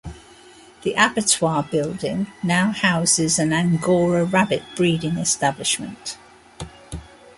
The abattoir building now houses an angora rabbit breeding establishment.